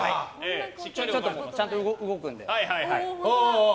ちゃんと動くんで。